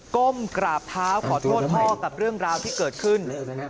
ก้มกราบเท้าขอโทษพ่อกับเรื่องราวที่เกิดขึ้น